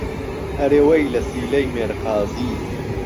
ئهرێ وهی له سیلهی مێرقازی